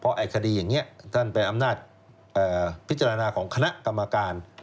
ไอ้คดีอย่างนี้ท่านไปอำนาจพิจารณาของคณะกรรมการ